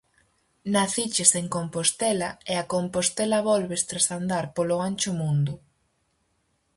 Naciches en Compostela e a Compostela volves tras andar polo ancho mundo.